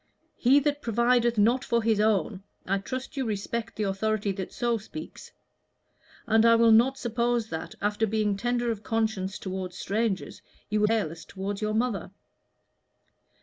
'He that provideth not for his own ' I trust you respect the authority that so speaks. And I will not suppose that, after being tender of conscience toward strangers, you will be careless toward your mother.